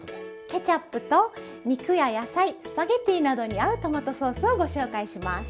ケチャップと肉や野菜スパゲッティなどに合うトマトソースをご紹介します。